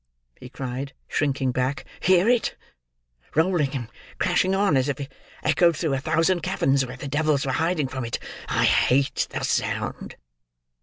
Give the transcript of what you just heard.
he cried, shrinking back. "Hear it! Rolling and crashing on as if it echoed through a thousand caverns where the devils were hiding from it. I hate the sound!"